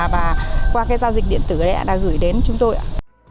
và qua cái giao dịch điện tử đấy đã gửi đến chúng tôi ạ